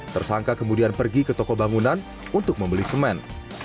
tersangka kemudian pergi ke toko bangunan untuk membeli semen